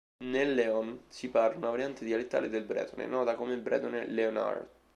Nel Léon si parla una variante dialettale del bretone nota come bretone léonard.